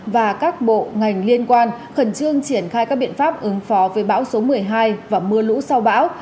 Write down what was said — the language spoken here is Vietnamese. và các bộ ngành liên quan khẩn trương triển khai các biện pháp ứng phó với bão số một mươi hai và mưa lũ sau bão